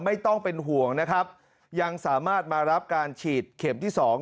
ไม่ต้องเป็นห่วงนะครับยังสามารถมารับการฉีดเข็มที่๒